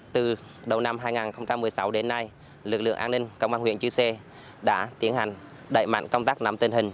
từ đầu năm hai nghìn một mươi sáu đến nay lực lượng an ninh công an huyện chư sê đã tiến hành đẩy mạnh công tác nắm tình hình